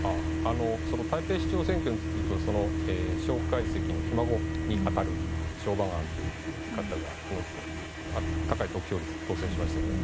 台北市長選挙についていうと蒋介石のひ孫に当たる方が高い得票率で当選しましたね。